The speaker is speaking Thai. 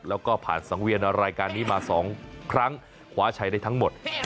แล้วก็ผ่านสังเวียนรายการนี้มา๒ครั้งคว้าชัยได้ทั้งหมด